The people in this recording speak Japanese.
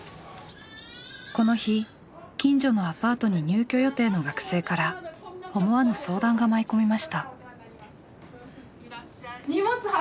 この日近所のアパートに入居予定の学生から思わぬ相談が舞い込みました。